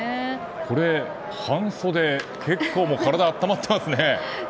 これ、半袖で結構体は温まってますね。